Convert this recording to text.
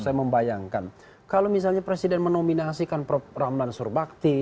saya membayangkan kalau misalnya presiden menominasikan prof ramlan surbakti